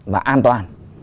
và an toàn